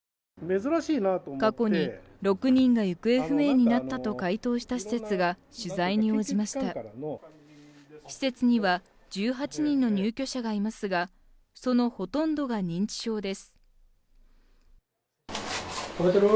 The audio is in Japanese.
過去に６人が行方不明になったと回答した施設が取材に応じました施設には１８人の入居者がいますが、そのほとんどが認知症です。